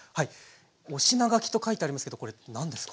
お品書きと書いてありますけどこれ何ですか？